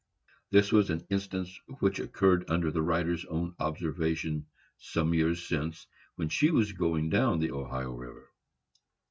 This was an instance which occurred under the writer's own observation, some years since, when she was going down the Ohio river.